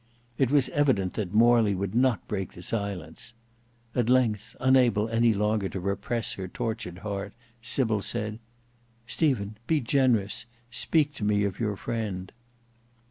It was evident that Morley would not break the silence. At length, unable any longer to repress her tortured heart, Sybil said, "Stephen, be generous; speak to me of your friend."